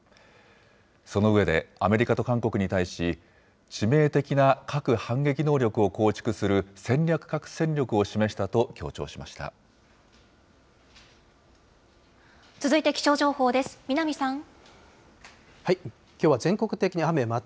その上で、アメリカと韓国に対し、致命的な核反撃能力を構築する戦略核戦力を示したと強調しました。